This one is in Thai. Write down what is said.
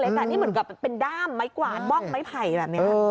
แต่นี่เหมือนกับเป็นด้ามไม้กวาดบ้องไม้ไผ่แบบนี้